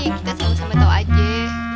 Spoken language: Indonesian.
kita sama sama tahu aja